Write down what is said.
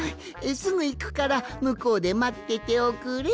すぐいくからむこうでまってておくれ。